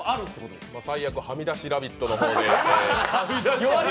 最悪「はみだしラヴィット！」の方で。